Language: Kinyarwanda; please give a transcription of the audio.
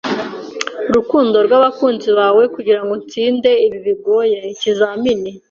rukundo rw'abakunzi bawe kugirango utsinde ibi bigoye ikizamini…